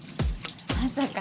まさか。